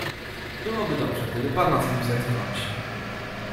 "Byłoby dobrze, gdyby pana z nim zetknąć."